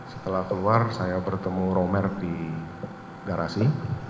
setelah keluar saya bertemu romer di garasi